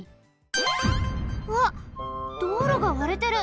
うわっ道路がわれてる！